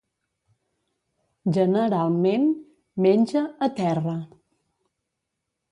Generalment, menja a terra.